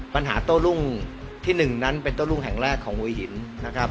โต้รุ่งที่๑นั้นเป็นโต้รุ่งแห่งแรกของหัวหินนะครับ